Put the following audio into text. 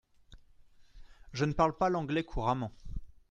Je ne parle pas l’anglais couramment.